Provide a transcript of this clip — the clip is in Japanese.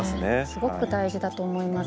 すごく大事だと思います。